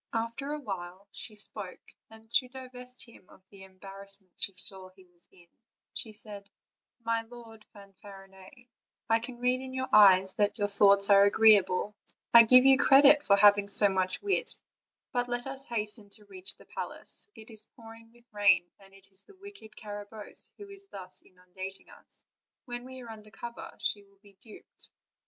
After awhile she spoke, and to divest him of the embarrassment she saw that he was in, she said: ''My Lord Fanfarinet, I can read in your eyes that your thoughts are agreeable; I give you credit for having so much wit; but let us hasten to reach the palace; it is pouring with rain, and it is the wicked Carabosse who is thus inundating us; when we are under cover she will be duped."